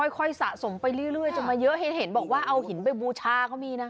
สะสมไปเรื่อยจนมาเยอะเห็นบอกว่าเอาหินไปบูชาเขามีนะ